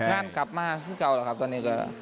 งานกลับมาที่เก่าแล้วครับตอนนี้ก็